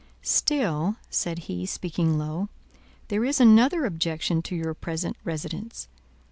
"Still," said he, speaking low, "there is another objection to your present residence.